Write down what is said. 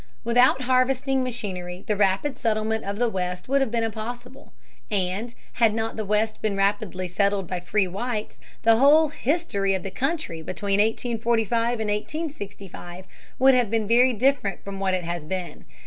Without harvesting machinery the rapid settlement of the West would have been impossible. And had not the West been rapidly settled by free whites, the whole history of the country between 1845 and 1865 would have been very different from what it has been.